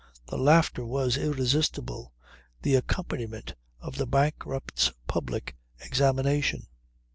The laughter was irresistible; the accompaniment of the bankrupt's public examination.